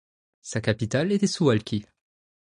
Sa capitale était Suwałki.